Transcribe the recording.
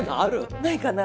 ないかなあ。